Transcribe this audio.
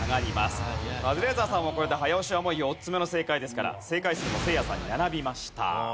カズレーザーさんもこれで早押しはもう４つ目の正解ですから正解数もせいやさんに並びました。